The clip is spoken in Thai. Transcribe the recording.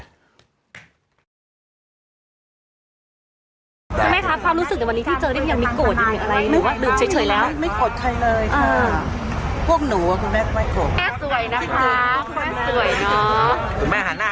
คุณแม่ครับความรู้สึกในวันนี้ที่เจอนี่ยังมีโกรธยัง